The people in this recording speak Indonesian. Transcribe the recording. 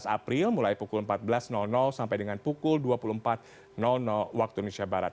tujuh belas april mulai pukul empat belas sampai dengan pukul dua puluh empat waktu indonesia barat